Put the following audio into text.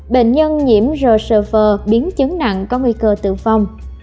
bệnh nhân nhiễm rsvn biến chấn nặng có nguy cơ tử vong